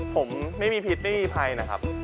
ผมไม่ไปไปนะครับ